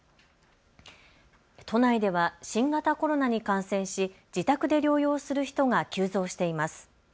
都内では新型コロナに感染し自宅で療養する人が急増しています。